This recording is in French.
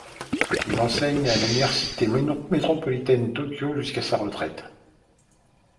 Il enseigne à l'université métropolitaine de Tokyo jusqu'à sa retraire.